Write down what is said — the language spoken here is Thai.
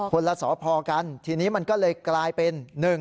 ละสพกันทีนี้มันก็เลยกลายเป็น